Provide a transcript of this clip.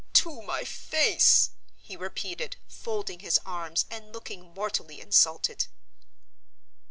To my face!" he repeated, folding his arms, and looking mortally insulted.